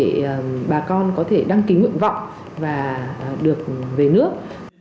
để bà con có thể đăng ký nguyện vọng và được về nước